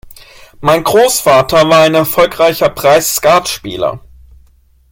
Mein Großvater war ein erfolgreicher Preisskatspieler.